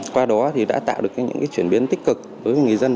qua đó thì đã tạo được những chuyển biến tích cực đối với người dân